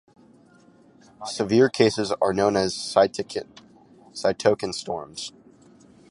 Severe cases are known as cytokine storms.